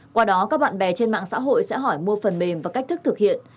qua đó các bạn bè trên mạng xã hội sẽ hỏi mua phần mềm và cách thức thực hiện